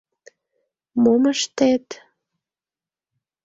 Мом ыштет...